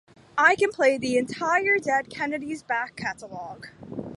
I can play the entire Dead Kennedys back catalogue!